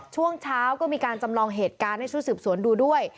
ช่วงเช้าก็มีการจำลองเหตุการณ์ให้ชุดสืบสวนดูด้วย